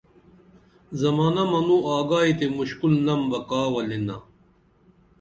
زمانہ منوں آگائی تے مُشکُل نم بہ کا ولِنا